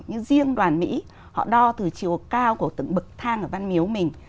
nhưng riêng đoàn mỹ họ đo từ chiều cao của từng bậc thang ở văn miếu mình